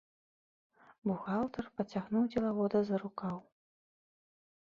Бухгалтар пацягнуў дзелавода за рукаў.